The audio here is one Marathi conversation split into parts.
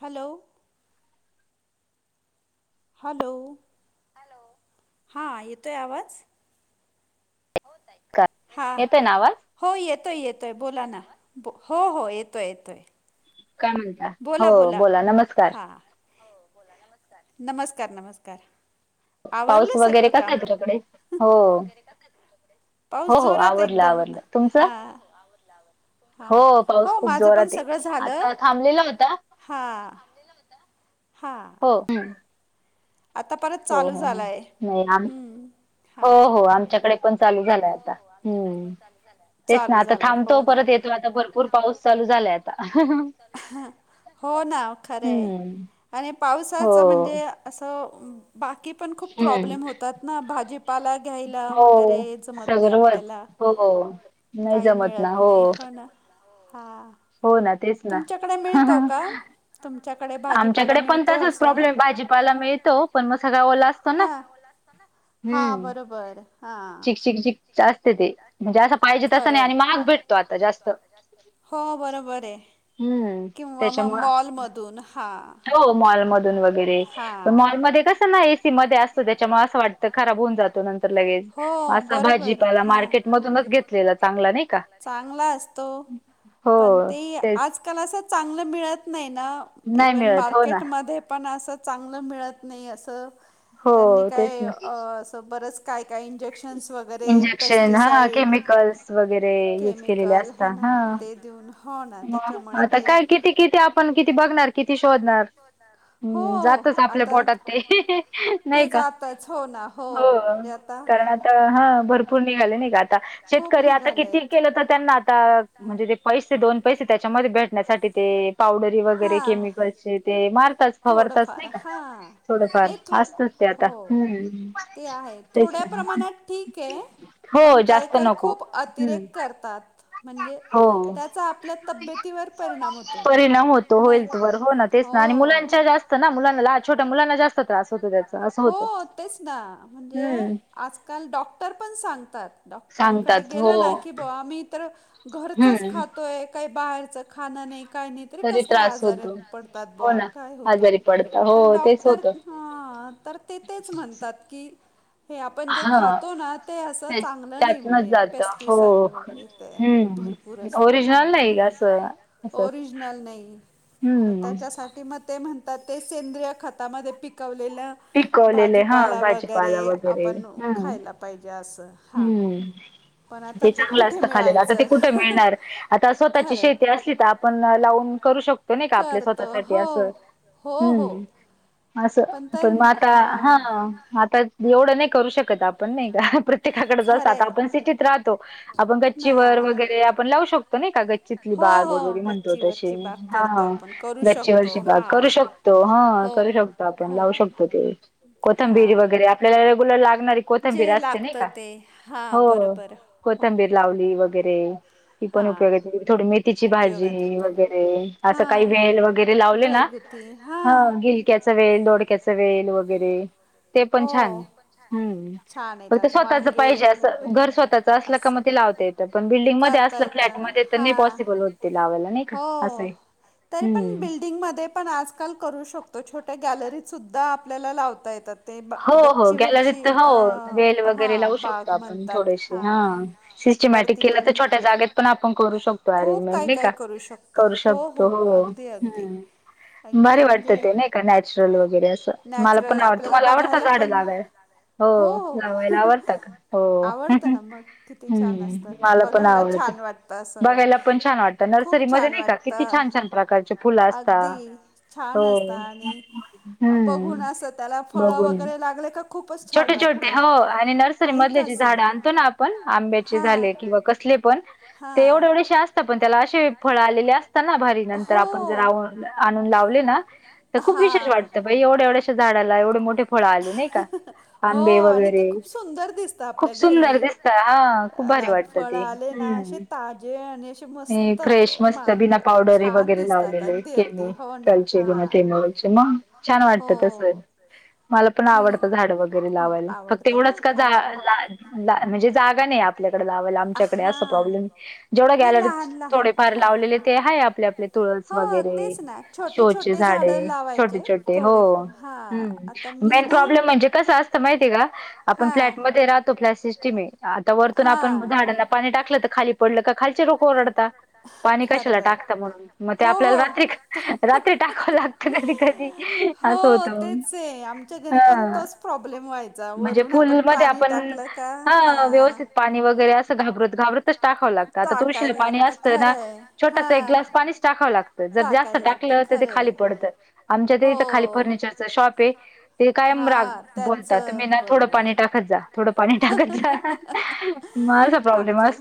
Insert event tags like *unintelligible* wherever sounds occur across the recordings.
हॅलो. हॅलो हॅलो हा येतोय आवाज का हां येतय ना आवाज हो येतोय येतो आहे बोला ना हो हो येतोय येतो आहे. काय म्हणता हो बोला नमस्कार हां नमस्कार नमस्कार पाऊस आवरलं वगैरे सगळं कसा आहे काम तुमच्याकडे? हो. पास वगैरे का? पाऊस हो हो जोरात आवरलं एकदम आवरलं. तुमचं? हा हो पाऊस खूप जोरात सगळं झालं आता थांबलेला होता. हां हां हो. आता परत हो चालू हो हो झालाय नाही आम हो हां हो आमच्याकडे पण चालू झालाय आता हम्म तेच ना चालू आता झालाय हो थांबतो ना परत येतो आता भरपूर पाऊस चालू झालाय आता. हो ना खरे हम्म. आणि पावसाचं हो. म्हणजे? असं बाकी पण खूप हम्म. प्रॉब्लेम होतात ना भाजीपाला घ्यायला वगैरे जमत नाही सगर्वच आपल्याला हो नाही काही जमत ना मिळत हो नाही हां हो ना तेच ना तुमच्याकडे भाजीपाला आमच्याकडे पण मिळतो तसच असं प्रॉब्लेम भाजीपाला मिळतो पण मग सगळा ओला असतो ना. हां हां हम्म. बरोबर हां चिक झिकझिक. आस्त ते. म्हणजे असं पाहिजे तसं नाही. खरं आणि महाग भेटतो, आता जास्त. हो बरोबरय हम्म. किंवा मग मॉलमधून. हा. मॉल मधून वगैरे. पण मॉलमध्ये कस ना, एसी मध्ये असतो. त्याच्यामुळे असं वाटत खराब होऊन जातो नंतर लगेच. हो असं, बरोबर भाजीपाला हां मार्केट मधूनच घेतलेला चांगला. नाही का? चांगला असतो. होओ. तेच. कलासा असं चांगलं मिळत नाय ना नाही इव्हन मिळत हो ना मार्केटमध्ये पण असं चांगलं मिळत नाही आहे असं त्यांनी हो तेच काय ना. असं बरस काय काय इंजेक्श शन्स वगैरे इंजेक्शन हा पेस्टिसाइड केमिकल्स वगैरे युज केलेले केमिकल असता है ना हा. ते देऊन हो ना त्या मग आता काय किती किती आपण किती बघणार किती शोधणार हो हम्म जातच आपल्या आता पोटात ते ते नाही का जातच हो ना हो म्हणजे आता कारण आता हा भरपूर निघाले नाही का आ ता खूप शेतकरी आता किती निघालेत केलं तर त्यांना आता म्हणजे ते पैसे दो पैसे त्याच्यामध्ये भेटण्यासाठी ते पावडरी वगैरे हां केमिकलचे ते मार ताच फववरताच थोडंफार नाही का हां थोडफार नाही थो असतच ते आता हो हम्म. ते आहे तेच थोड्या ना प्रमाणात ठीक आहे हो पण काही जास्त काही नको खूप हम्म अतिरेक करतात. म्हणजे हो त्याचा आपल्या तब्येतीवर परिणाम होतो परिणाम होतो नाही का. हेल्थवर हो ना तेच ना आणि मुलां हो ला जास्त ना मुलांला छोट्या मुलांना जास्त त्रास होतं त्याच असं हो होतं तेच ना म्हणजे हम्म. आजकाल डॉक्टर पण सांगतात डॉक्टरांकडे सांगतात हो गेलं नाही की ब आम्ही तर घरचाच हम्म खातोय काही बाहेरच खाणं नाही काही नाही तरी कसं काय त्रास आजारे होतो पडतात हो बवा ना काय होतं आजारी पडता हो तर तेच डॉक्टर होतं हा तर ते तेच म्हणतात की हे आपण जे हा खातो ना ते असं चांगलं नाही त्यातनच म्हणे जात हो पेस्टिसाईड वगैरे तया भर पुर हम्म असता हा ओरिजनल नाही असं असं ओरिजनल नाही मग हम्म त्याच्यासाठी म ते म्हणतात ते सेंद्रिय खतामध्ये पिकवलेल्या पिकवलेले हा भाजीपाला वगैरे भाजीपाला वगैरे आपण हम्म खायला पाहिजे असं हा. हम्म ते चांगलं असतं खालेला आता ते कुठे मिळणार आता स्वतःची खरंय. शेती असली तर आपण लावून करू शकतो नाही का आपल्या करतो स्वतःसाठी हो असं. हो हो. हम्म असं तर पण आता हा हां. आता एवढं नाही करू शकत आपण नाही का प्र प्रत्येककडे जाता खरंय आपण सिटीत राहतो आपण ना गच्ची वर वगैरे आपण लावू शकतो नाही का ग तिथली हो बाग हो वगैरे म्हणतो गच्ची तशी वच्ची बाग करतो हा आपण करू गच्ची शकतो वरची बाग करू हां शक तो हा हो करू शक ता आपण हो लावू शकतो ते कोथंबीरी हां. वगैरे आपल्याला रेग्युलर लागणारी कोथंबीर असते नाही का. ए हा. हो कोथंबीर लावली वगैरे ती पण हां उपयोगाचे ती बी थोडी मेथीची भाजी उपयोगात येते वगैरे असं काही वेल वगैरे लावले ना ते हा. केचा वेल दोड केचा वेल वगैरे. ते पण हो छान हम्म छान फक्त येतात स्वतःच वांगे पाहिजे असं वगैरे घर मस्वतःच असलं का म ते लावता येतं पण बिल्डिंगमध्येध्ये करता असलं येतं फ्लॅटमध्ये तर नाही हां पॉसिबल होत. ते लावायला नाही का हो असं आहे. तरी पण हम्म बिल्डिंगमध्ये आपण आजकाल करू शकतो, छोट्या गॅलरीत सुद्धा आपल्याला लावता येतात. ते ब हो-हो, गॅलरीत गच्चीवरची तर हो, अ, वेल वगैरे लावू हां शकतो, बाग आपण म्हणतात थोडेसे हा. हां सिस्टमॅटिक वरती केलं तर पण छोट्या जागेत पण आपण करू शकतो खूप अरेंजमेंट काय नई काय का? करू शकतो करू हो शकतो हो. अगदी अगदी हम्म. अगदी भारी वाटतं म्हणजे ते नाही का नॅचरल वगैरे असं, मला पण नॅचरल आवडतं. आपल्याला तुम्हाला आवडत बघायला झाडे पण लावायला? हो. लावायला आवडत का? हो. आवडतं ना मग किती छान हम्म, असतं मला पण बघायला आवडत. छान वाटतं असं बघायला पण छान वाटतं, खूप नर्सरी मध्ये छान नाही का किती वाटतं छान-छान प्रकारचे फुलं असतात. अगदी छान असतं होय. आणि *inaudible* बघून हम्म. असं त्याला फळं वगैरे लागले का खूपच छान छोटे-छोटे वाटतं हो आणि नर्सरी काही मधले का जे असे झाडं आणतो ना आपण, आंब्याचे हां झाले किंवा कस कुठले पण ते हां येवढे येवढेशे असतात, पण त्याला अशे फळं आलेले असतात ना भारी नंतर हो आपण जर आ- आणून लावले ना ते खूप विशेष हां वाटतं बई, एवढे, ऐवढ्याश्या झाडाला एवढे मोठे फळं आले नाही का? हो आंबे आणि ते वगैरे खूप सुंदर दिसतं आपल्या खूप सुंदर घरी. दिसत हा खूप भारी ला वाटतं फळं ते आले ना हम्म अशे ताजे आणि अशे हे मस्त फ्रेश मा मस्त बिना पावडर छान वगैरे दिसतात लावलेले अगदी-अगदी. हो ना, केमिकलचे हां. *unintelligible* छान वाटत तसं हो. मला पण मी आवडतं झाड घरी लावायला? फक्त आवडते ना ऐवढंच का हो जा-जा ला दा म्हणजे जागा नाही आपल्याकडे लावायला, आमच्याकडे असा हां. प्रॉब्लेम ये. जेवढं नाही गॅलरीच लहान लहान थोडेफार हां. लावलेले ते हाय आपले-आपले तुळस हो वगैरे. तेच ना छोटे शो चे छोटे झाडं झाडे छोटे लावायचे छोटे थोडे हो. हां हम्म. आता मी मेन ना प्रॉब्लेम म्हणजे कसं असतं माहितीय का आपण हां. फ्लॅटमध्ये राहतो फ्लॅट सिस्टीम हे आता वरतून आपण हां. झाडांना पाणी टाकलं त खाली पडलं का खालची लोकं ओरळता. पाणी कशाला खरबर टाकता मग म ते हो आपल्याला हो रात्री तो *unintelligible* रात्री टाकावं लागतं कधी- कधी. असं हो होतं तेच ये आमच्या घरी पण हा तोच प्रॉब् लेम व्हायचा म्हणजे वरून आपण फुलमध्ये पाणी आपण टाकलं का हा. व्यवस्थित वगैरे पाणी वगरे असं घाबरत, घाबरतच लागतं टाकावं, आता तुळशीला टाकायला पाणी लागतं असतं ना खरंय. छोटासा एक ग्लास पाणीच टाकावं लागतं, जर जास्त टाकायला लागतं टाकलं तर ते खरं आहे खाली पडतं. आमच्या ते हो इथं खाली फर्निचर च शॉप ऐ ते कायम राग हां बोलतात तुम्ही त्यांचं ना थोडं पाणी बरोबर टाकत जा, थोडं पाणी टाकत जा. मा आमच्या,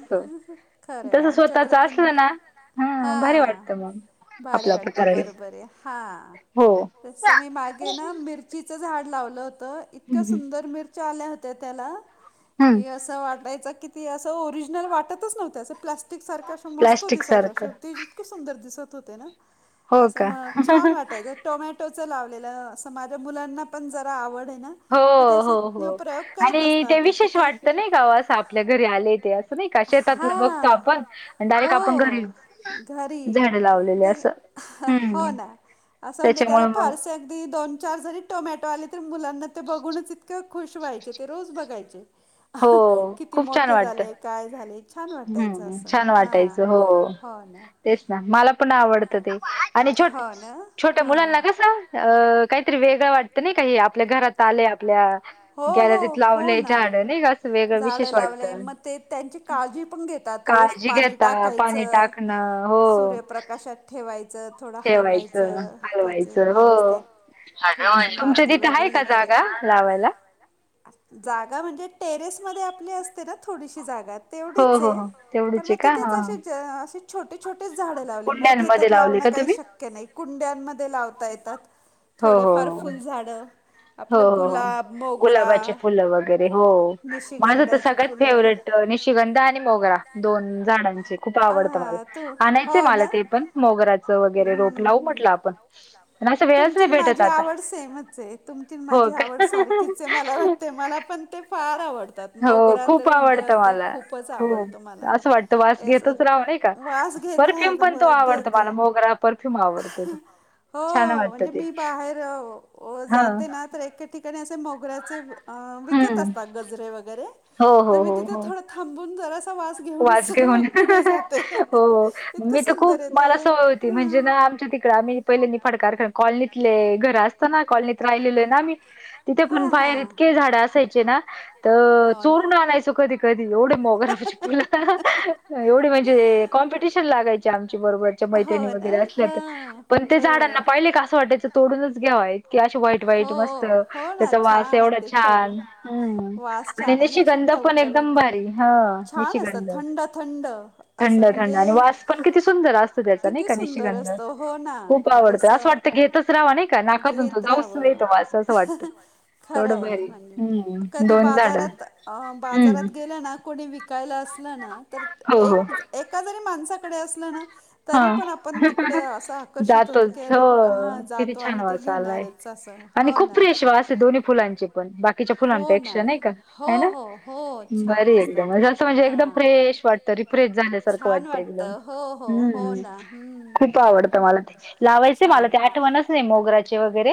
खरंय स्वतःच आमच्याकडे पण असलं ना. हं, भारी हां वाटतं म. भारी वाटतं बरोबर ऐ, हां हो तसं मी मागे ना मिर चिचं झाड लावलं होतं. इतक्या हम्म सुंदर मिरच्या आल्या होत्या त्याला कि असं वाट च किती असं ओरिजिनल वाटतच नव्हतं, असं प्लास्टिक सारखं असं मस्त प्लास्टिक सारखं दिसायच्या इतकं सुंदर दिसत होते ना, हो असं का मग छान वाटायचं. टोमॅटोचं लावलेलं, असं माझ्या मुलांना पण जरा आवड हे ना. मग ते हो- असे हो- हो, प्रयोग करत आणि ते असतात आता विशेष काय वाटतं नई काव साप आपल्या घरी आले ते असं नाही का, शेतातलं बघतो हा आपण आणि डायरेक्ट आपण घरी हो घरी ते हं अ हं. हो ना, असं म्हणजे त्याला त्याच्यामुळे मग फारस ते अगदी दोन-चार जरी टोमॅटो आले तरी मुलांना ते बघूनच इत कं खुश व्हायचे, ते रोज बघायचे. हो. किती खूप छान मोठे वाटतं, झाले, काय झाले छान वाटायचं हम्म असं. छान हां. वाटायचं हो. हो ना. तेच ना, मला पण आवडतं ते आणि छोट हो ना. छोट्या मुलांना हां. कसं अं काहीतरी वेगळं वाटतं नई का हे आपल्या घरात आले, आपल्या हो, हो. गॅलरीत हो लावलेय ना. झाड. नाईगा असं वेगळं झाडं विशेष लावले वाटतं मग ते त्यांची काळजी पण घेतात रोज काळजी पाणी घेता पाणी टाकायचं. टाकत. *inaudible* हो. सूर्यप्रकाशात ठेवायचं थोडं ठेवायचं हलवायचं त्याचं व्यवस्तित. हॅलोए तुमच्या तिथे हाय का जागा करायची लावायला? जागा म्हणजे टेरेस मधे आपली असते ना थोडीशी जागात. हो हो तेवढीचए हो पण तेवढीच म आहे का तिथेच हा हा अशीचअ अशी. छोटे छोटेच झाडं लावले, मोठे तर कुंड्यांमध्ये लावले लावणं का काही तुम्ही शक्य नाही कुंड्यांमध्ये लावता येतात. हो हो थोडेफार हो फुलझडं. हो हो गुलाबाचे फुलं वगैरे होओ माझं तर निशिगंधाची सगळ्यात फुलं फेवरेट. निशिगंध आणि मोगरा दोन झाडांचे खूप आवडतं मला हा तू आणायचंय हो मला ना ते पण. मोगराचं *inaudible* रोप लावू म्हटलं आपण असं वेळच. तूमची नाही भेटत माझी आता आवड सेमच. तुमची हो माझी आवड सारखीच मला का वाटते मला पण ते फार आवडतात. हो मोगरा खूप तर म्हणजे आवडतं अगदी मला खूपच खूप. आवडतं मलां. असं वाटतं वास घेतच राहावं नाही का? वास घेत परफ्यूम राहाता पण मग तो अगदी आवडतो अगदी. मला मोगरा परफ्यूम आवडतो तो. हो छान वाटतं म्हणजे ते. मी. *inaudible* बा हा जाते ना तर ठिकाणी असे मोचे विकत हम्म असतात. *unintelligible* वाज घेऊनच मग घेऊन पुढे जाते. हो इतकं मी तर सुंदर खूप. आहे *inaudible* तो. म्हणे ना हां. आमच्या तिकडे आम्ही पहिले फडकार. *inaudible* कॉलनीतले घर असतंना कॉलनीत राहिलेलोय ना मी. तिथे हा पण हा. पायर इतके झाड असायचे ना. तर हो ना. चोरून आणायचो कधी कधी एवढे मोगराज. एवढी म्हणजे कॉम्पिटिशन लागायचे आमची बरोबरच्या हो मैत्रिणी वगैरे ना असल्या हा तर. पण ते झाडांना बरोबर. पहिले का. *inaudible* ट्याच तोडूनच घेवाय की असे वाईट वाईट हो मस्त हो ना त्याचा वास छान एवढा अगदी टवळून छान. हम्म वास आणि त्या छान आणि अशी नीशीगंध पण एकदम टवटवीत भारी. छान असतात निशीगंड थंड थंड थंड असं थंड आणि म्हणजे वास पण किती सुंदर असत त्याचा. *inaudible* किती सुंदर असतो हो ना *inaudible* म्हणजे असं रावा नाही का नाकातून त घेत जाऊ य राहावं तो असं असं वाटत. एवढं खरंय बर म्हणजे हम्म कधी दोन झाड बाजारात हम्म. शिकायला असलं ना तर एक एका जरी माणसाकडे असल ना. हा तरी पण आपण तिकडे असं आकर्षित होतो की जातोच हो. अरे हा किती जातो छान आणि ते वास आलाय घेणारच असं आणि हो खूप ना फ्रेश वास आहे दोन्ही फुलांचे. *inaudible* हो ना हो हो हो छान असतात हां वाटतं रिफ्रेश झाल्यासारखं छान वाटतं एकदम. हो हो हो हम्म ना हम्म खूप आवडतं मला ते लावायचंय मला छान ते. आठवण नाही मोगराचे वगैरे.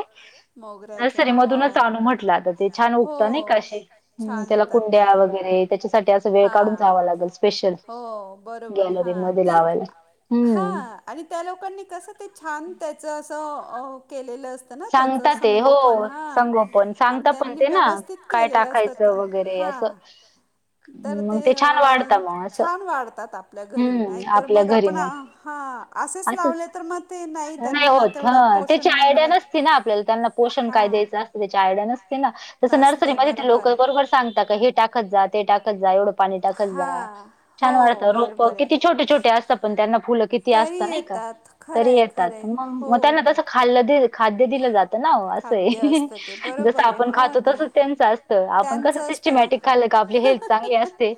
मोगऱ्याचे नर्सरी हो मधूनच अनू म्हटलं आता ते छान हो उगतं नाही हो काशी छान त्याला येतात कुंड्या ते वगैरे. त्याच्यासाठी असा वेळ काढून हां. जावा लागेल स्पेशल हो गॅलरी *inaudible* लावायला. हा हम्म आणि त्या लोकांनी कस ते छान त्याच असं केलेलं अस. सांगता ते हो सांगू पण आणि सांगता पण त्यांनी ते ना व्यवस्थित काय केलेलं असतं टाकायचं तर वगैरे असं. हां. *inaudible* तर ते मग अ छान वाढतं मग असं छान वाढतात आपल्या घरी हम्म नाहीतर आपल्या मग घरी आपण हा. असेच असंच. लावले तर मग ते नाही त्यांना. तेवढं हं, त्याची पोषण नाही आयड्या मिळत. नसती ना आपल्याला, त्यांना पोषण काय हां. द्यायचं असतं, त्याची आयड्या नसती. ते ना, तसं नर्सरीमध्ये ते लोकं बरोबर सांगतात का, हे टाकत जा, ते टाकत जा, एवढं पाणी टाकत जा. हां. हो छान वाटतं रोप, बरोबर आहे. किती छोटे- छोटे असतात पण त्यांना फुलं किती तरी असतं नाही का. येतात. तरी खरंय खरंय. मंग, हो म त्यांना हो. तस खाल् दे, खाद्य दिलं जात नवं असं खाद्य हाय, असतं ते. जस बरोबर आहे. आपण हो खातो, ना. तसच त्यांच असतं, आपण कस त्यांचं असतं. सिस्टमॅटिक खाल्लं का आपली हेल्थ चांगली असते.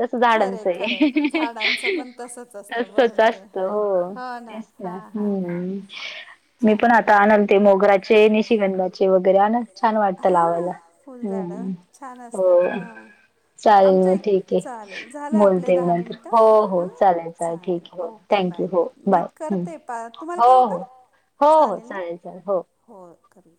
तस खरंय झाडांच खरंय. हेय, झाडांचं पण तसंच असतं. तसच बरोबर आहे. असत हो. ना. ते. हां हां हां. हम्. छान, छान. मी पण आता आणाल ते मोगऱ्याचे नेहती निशिगंधाचे वगैरे ते आणल मोगऱ्यान छान लावावे वगैरे, वाटतं लावायला. हा फुल झाड. हम्म. छान हो असतात हां. चालेल आमच्या मग इक ठीक हेय, चालेल. झालं आपले बोलते मी दहा नंतर. मिनिटं. हो, हो हां. चालेल चालेल. ठीक हेय. थँक्यू, हो बाय हम्म. परत तुम्हाला करू का? हो, हो चालेल, चालेल हो. होय करी.